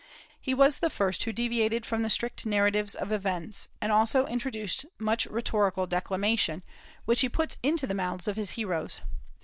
He was the first who deviated from the strict narratives of events, and also introduced much rhetorical declamation, which he puts into the mouths of his heroes.